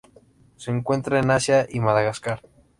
Se encuentra en Asia y Madagascar.